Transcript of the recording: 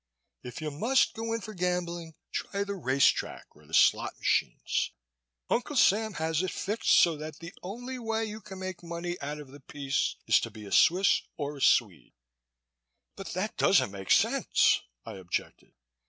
If you must go in for gambling, try the race track or the slot machines. Uncle Sam has it fixed so that the only way you can make money out of the peace is to be a Swiss or a Swede." "But that doesn't make sense," I objected.